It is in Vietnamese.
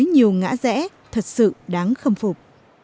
có nhiều ngã rẽ thật sự đáng khâm phục